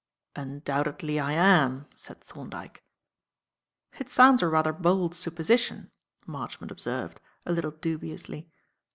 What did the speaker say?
"Undoubtedly I am," said Thorndyke. "It sounds a rather bold supposition," Marchmont observed, a little dubiously.